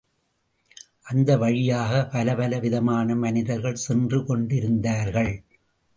அந்த வழியாகப் பலப்பல விதமான மனிதர்கள் சென்று கொண்டிருந்தார்கள்.